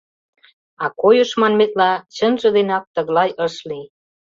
А койыш, манметла, чынже денак тыглай ыш лий.